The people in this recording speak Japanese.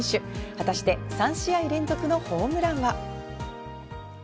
果たして３試合連続のホームランは？